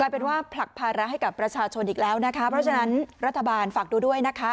เป็นว่าผลักภาระให้กับประชาชนอีกแล้วนะคะเพราะฉะนั้นรัฐบาลฝากดูด้วยนะคะ